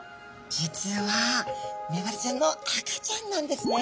実はメバルちゃんの赤ちゃんなんですね。